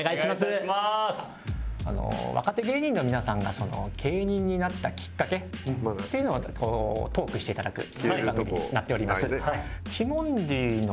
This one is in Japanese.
若手芸人の皆さんが芸人になったきっかけっていうのをトークしていただくという番組になっております。